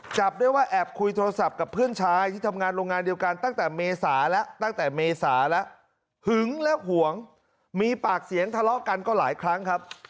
จับได้ว่าแอบคุยโทรศัพท์กับเพื่อนชายที่ทำงานโรงงานเดียวกันตั้งแต่เมษาแล้วตั้งแต่เมษาแล้วหึงและห่วงมีปากเสียงทะเลาะกันก็หลายครั้งครับ